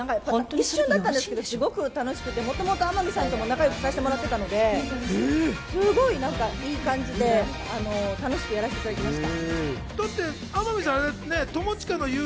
一瞬だったんですけれどもすごく楽しくて、天海さんとももともと仲良くさせてもらっていたんで、いい感じで楽しくやらせていただきました。